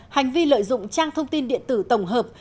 hành vi lợi dụng trang thông tin điện tử tổng hợp